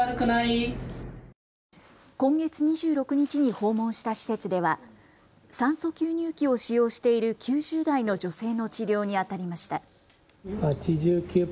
今月２６日に訪問した施設では酸素吸入器を使用している９０代の女性の治療にあたりました。